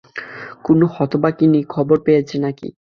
কোনো হতভাগিনী খবর পেয়েছে নাকি?